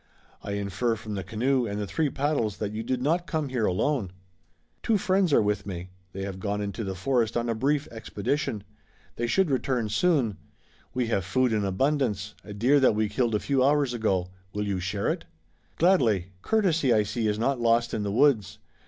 I infer from the canoe and the three paddles that you did not come here alone." "Two friends are with me. They have gone into the forest on a brief expedition. They should return soon. We have food in abundance, a deer that we killed a few hours ago. Will you share it?" "Gladly. Courtesy, I see, is not lost in the woods.